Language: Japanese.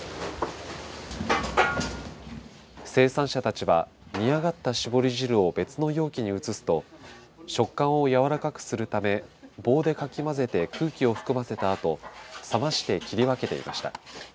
生産者たちは煮上がった搾り汁を別の容器に移すと食感をやわらかくするため棒でかき混ぜて空気を含ませたあと冷まして切り分けていました。